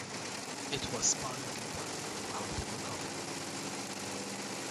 It was Spangenberg who helped him recover.